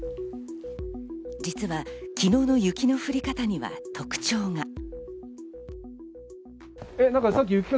実は昨日の雪の降り方には特徴が。